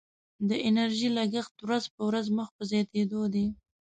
د انرژي لګښت ورځ په ورځ مخ په زیاتیدو دی.